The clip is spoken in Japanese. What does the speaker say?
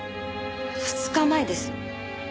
２日前です。